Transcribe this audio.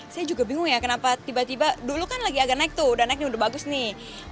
saya juga bingung ya kenapa tiba tiba dulu kan lagi agak naik tuh udah naik ini udah bagus nih